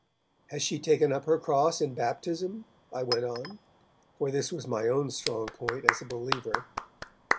'Has she taken up her cross in baptism?' I went on, for this was my own strong point as a believer.